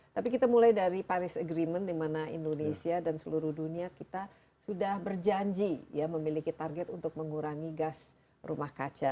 tapi kita mulai dari paris agreement di mana indonesia dan seluruh dunia kita sudah berjanji ya memiliki target untuk mengurangi gas rumah kaca